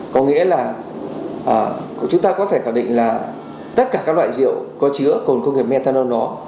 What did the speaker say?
có nghĩa là chúng ta có thể khẳng định là tất cả các loại rượu có chứa cồn công nghiệp methanol đó